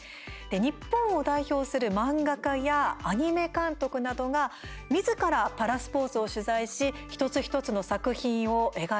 日本を代表する漫画家やアニメ監督などがみずからパラスポーツを取材し一つ一つの作品を描いてきました。